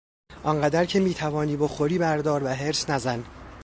آنقدر که میتوانی بخوری بردار و حرص نزن!